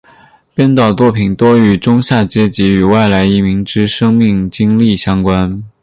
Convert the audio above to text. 编导作品多与中下阶层及外来移民之生命经历相关。